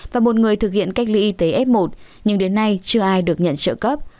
và một người thực hiện cách ly y tế f một nhưng đến nay chưa ai được nhận trợ cấp